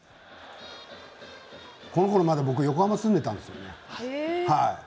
このころ、まだ僕横浜に住んでいたんですよね。